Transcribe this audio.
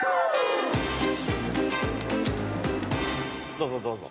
どうぞどうぞ。